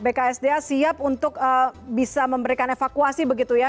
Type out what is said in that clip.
bksda siap untuk bisa memberikan evakuasi begitu ya